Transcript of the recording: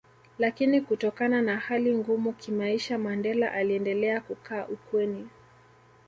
Lakini Kutokana na hali ngumu kimaisha Mandela aliendelea kukaa ukweni